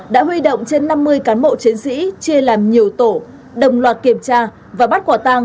đã huy động trên năm mươi cán bộ chiến sĩ chia làm nhiều tổ đồng loạt kiểm tra và bắt quả tang